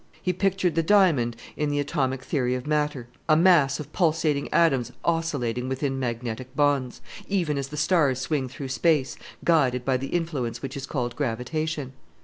He pictured the diamond in the atomic theory of matter a mass of pulsating atoms oscillating within magnetic bonds even as the stars swing through space, guided by the influence which is called gravitation.